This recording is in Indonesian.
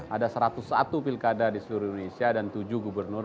ada satu ratus satu pilkada di seluruh indonesia dan tujuh gubernur